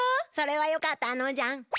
それはよかったのじゃ。